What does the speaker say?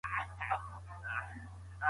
بېلتون د دوو زړونو ترمنځ فاصله ده.